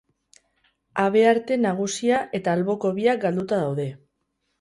Habearte nagusia eta alboko biak galduta daude.